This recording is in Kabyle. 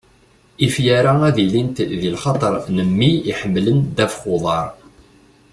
ifyar-a ad ilint di lxaṭer n mmi iḥemmlen ddabex n uḍar.